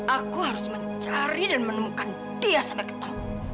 aku harus mencari dan menemukan dia sampai ketemu